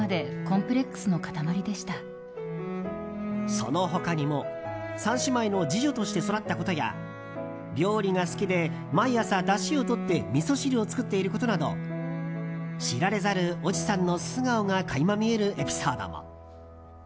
その他にも３姉妹の次女として育ったことや料理が好きで毎朝だしをとってみそ汁を作っていることなど知られざる越智さんの素顔が垣間見えるエピソードも。